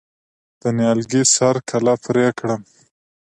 د نیالګي سر کله پرې کړم؟